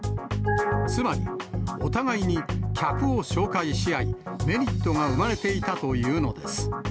つまり、お互いに客を紹介し合い、メリットが生まれていたというのです。